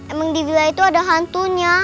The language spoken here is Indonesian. emang di villa itu ada hantunya